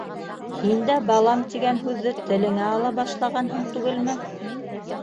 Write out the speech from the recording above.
Һин дә «балам» тигән һүҙҙе телеңә ала башлағанһың түгелме?